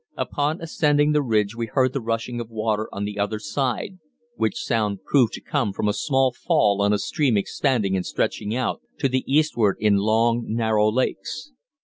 Upon ascending the ridge we heard the rushing of water on the other side, which sound proved to come from a small fall on a stream expanding and stretching out, to the eastward in long, narrow lakes.